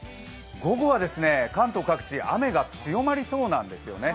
午後は関東各地、雨が強まりそうなんですよね。